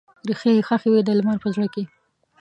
ریښې یې ښخې وي د لمر په زړه کې